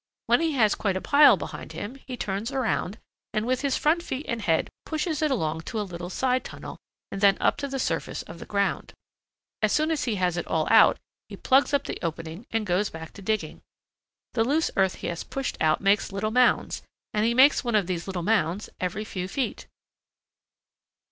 When he has quite a pile behind him he turns around, and with his front feet and head pushes it along to a little side tunnel and then up to the surface of the ground. As soon as he has it all out he plugs up the opening and goes back to digging. The loose earth he has pushed out makes little mounds, and he makes one of these mounds every few feet.